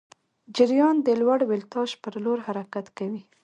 جریان د لوړ ولتاژ پر لور حرکت کوي.